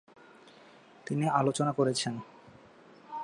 তিনি আলোচনা করেছেন।